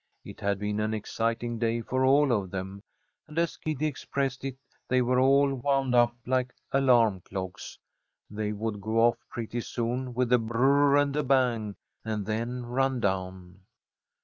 It had been an exciting day for all of them, and, as Kitty expressed it, they were all wound up like alarm clocks. They would go off pretty soon with a br r r and a bang, and then run down.